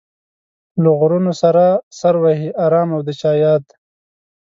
له غرونو سره سر وهي ارام او د چا ياد